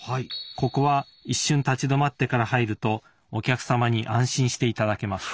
ここは一瞬立ち止まってから入るとお客様に安心して頂けます。